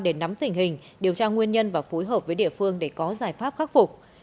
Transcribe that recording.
để nắm tình hình điều tra nguyên nhân và phối hợp với địa phương để có giải pháp khắc phục